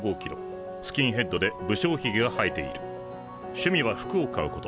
趣味は服を買うこと。